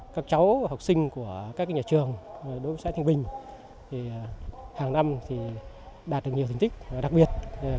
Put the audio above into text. các cháu và học sinh của các nhà trường đối với xã thanh bình hàng năm đạt được nhiều thành tích và đặc biệt